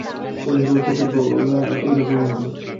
পরেশবাবুর পাপের ভরা এইবার পূর্ণ হল।